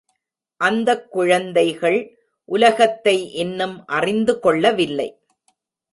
அந்தக் குழந்தைகள் உலகத்தை இன்னும் அறிந்து கொள்ளவில்லை.